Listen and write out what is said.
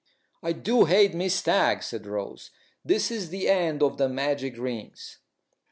"I do hate Miss Stagg," said Rose. "This is the end of the magic rings."